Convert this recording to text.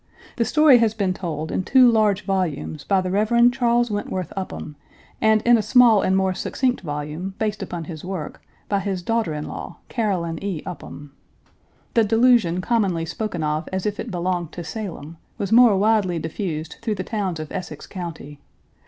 The story has been told in two large volumes by the Rev. Charles Wentworth Upham, and in a small and more succinct volume, based upon his work, by his daughter in law, Caroline E. Upham. The delusion commonly spoken of, as if it belonged to Salem, was more widely diffused through the towns of Essex County.